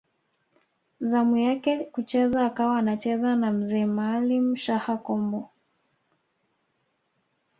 Zamu yake kucheza akawa anacheza na Mzee Maalim Shaha Kombo